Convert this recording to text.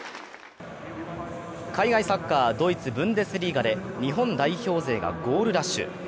海外サッカー、ドイツ・ブンデスリーガで日本代表勢がゴールラッシュ。